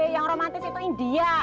yang romantis itu india